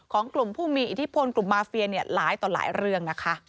ของกลุ่มผู้มีอิทธิพลกลุ่มมาเฟียหลายต่อหลายเรื่องนะคะ